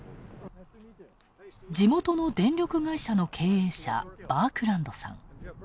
地元の電力会社の経営者バークランドさん。